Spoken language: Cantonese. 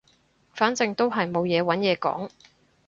反正都係冇嘢揾嘢講